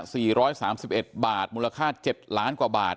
สี่ร้อยสามสิบเอ็ดบาทมูลค่าเจ็ดล้านกว่าบาท